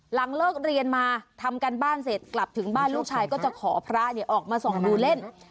หลังเลิกเรียนมาทำการบ้านเสร็จกลับถึงบ้านลูกชายก็จะขอพระออกมาส่องดูเล่น